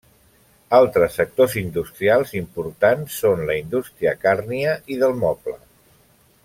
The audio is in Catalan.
Altres sectors industrials importants són la indústria càrnia i del moble.